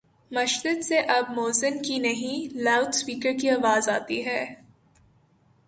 مسجد سے اب موذن کی نہیں، لاؤڈ سپیکر کی آواز آتی ہے۔